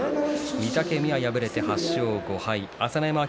御嶽海は敗れて８勝５敗です。